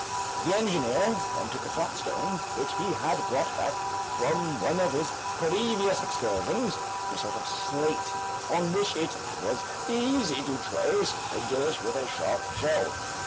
The engineer then took a flat stone which he had brought back from one of his previous excursions, a sort of slate, on which it was easy to trace figures with a sharp shell.